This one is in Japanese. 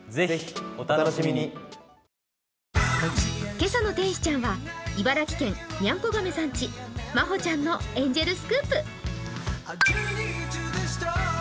今朝の天使ちゃんは、茨城県にゃんこ亀さん家、まほちゃんのエンジェルスクープ。